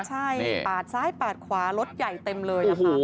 ใช่ปาดซ้ายปาดขวารถใหญ่เต็มเลยค่ะ